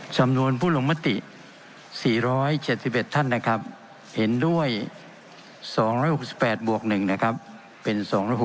จำนวนผู้ลงมติ๔๗๑ท่านนะครับเห็นด้วย๒๖๘บวก๑นะครับเป็น๒๖๖